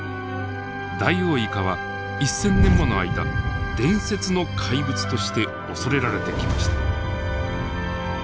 ダイオウイカは１，０００年もの間伝説の怪物として恐れられてきました。